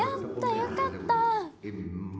よかった。